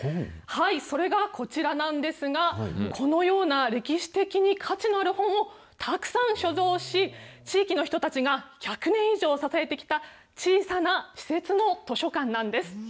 それがこちらなんですが、このような歴史的に価値のある本をたくさん所蔵し、地域の人たちが１００年以上支えてきた、小さな私設の図書館なんです。